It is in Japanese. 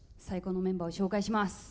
最高のメンバーを紹介します。